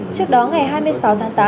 trước đó ngày hai mươi sáu tháng tám